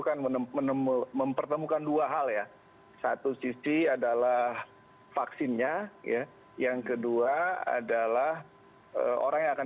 kan menemukan mempertemukan dua hal ya satu sisi adalah vaksinnya ya yang kedua adalah orang yang akan